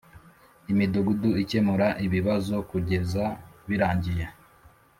Imidugudu ikemura ibibazo kugeza birangiye